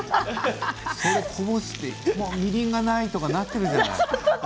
それをこぼしてみりんがないとかなっているじゃない。